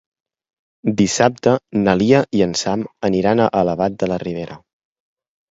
Dissabte na Lia i en Sam aniran a Albalat de la Ribera.